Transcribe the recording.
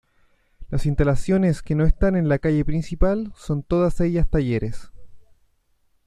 Las instalaciones que no están en la calle principal son todas ellas talleres.